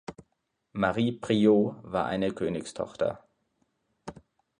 Marie Priault war eine Königstochter.